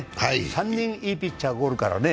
３人、いいピッチャーがおるからね。